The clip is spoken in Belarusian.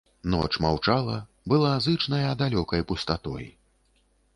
Ноч маўчала, была зычная далёкай пустатой.